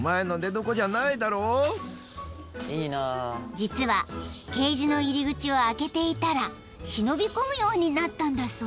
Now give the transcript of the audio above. ［実はケージの入り口を開けていたら忍び込むようになったんだそう］